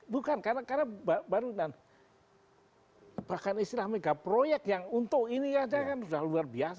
bukan karena baru dan bahkan istilah megaproyek yang untuk ini aja kan sudah luar biasa